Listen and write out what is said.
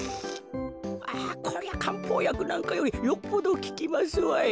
ああこりゃかんぽうやくなんかよりよっぽどききますわい。